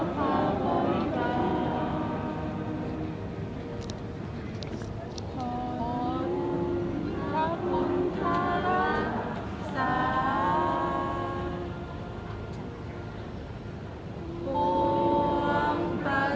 มันเป็นสิ่งที่จะให้ทุกคนรู้สึกว่ามันเป็นสิ่งที่จะให้ทุกคนรู้สึกว่า